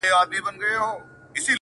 پټول به یې د ونو شاته غاړه!